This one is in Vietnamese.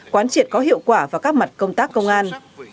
quán triệt có hiệu quả vào các mặt công tác công an